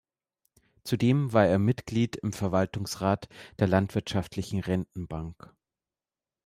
Zudem war er Mitglied im Verwaltungsrat der Landwirtschaftlichen Rentenbank.